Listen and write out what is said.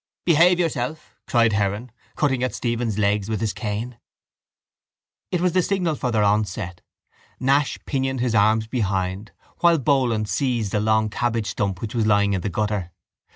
—Behave yourself! cried Heron, cutting at Stephen's legs with his cane. It was the signal for their onset. Nash pinioned his arms behind while Boland seized a long cabbage stump which was lying in the gutter.